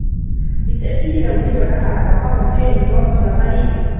بالتأكيد لا أريد أن أفعل ما قام بفعله توم قبل قليل.